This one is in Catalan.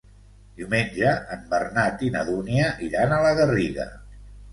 Diumenge en Bernat i na Dúnia iran a la Garriga.